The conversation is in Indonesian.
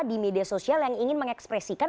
di media sosial yang ingin mengekspresikan